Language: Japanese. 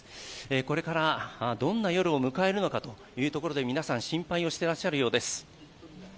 これからどんな夜を迎えるのかというところで皆さん心配をしていらっしゃるようです。